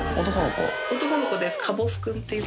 男の子です。